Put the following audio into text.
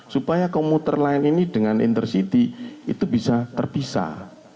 supaya komuter lain ini dengan intercity itu bisa terpisah